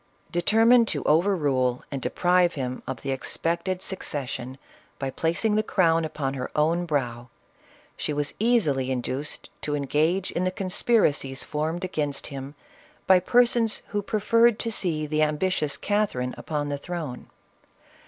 Determined to over rule and deprive him of the ex pected succession by placing the crown upon her own brow, she was easily induced to engage in the conspira cies formed against him by persons, who preferred to see the ambitious Catherine upon the throne.